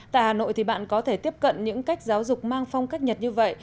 tại hà nội thì bạn có thể tiếp cận những cách giáo dục mang phong cách nhật như vậy